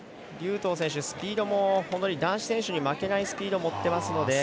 劉禹とう選手、スピードも男子選手に負けないスピードを持っていますので。